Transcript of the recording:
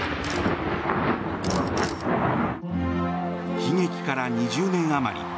悲劇から２０年余り。